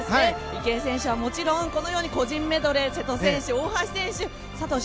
池江選手はもちろん個人メドレーは瀬戸選手、大橋選手佐藤翔